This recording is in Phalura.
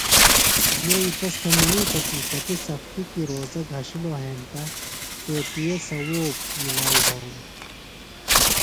یئی تس تھےۡ منِیتوۡ کی کتیۡ سختیۡ کیۡ روزوہ گھشِلوۡ ہینتہ اتِئے ثوؤب مِلاؤ بھانوۡ۔